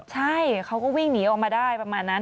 ใช่เขาก็วิ่งหนีออกมาได้ประมาณนั้น